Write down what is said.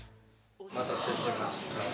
お待たせしました。